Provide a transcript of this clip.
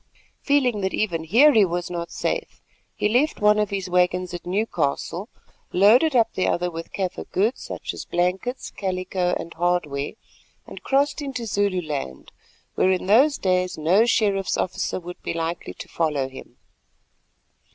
Feeling that even here he was not safe, he left one of his waggons at Newcastle, loaded up the other with Kaffir goods—such as blankets, calico, and hardware—and crossed into Zululand, where in those days no sheriff's officer would be likely to follow him.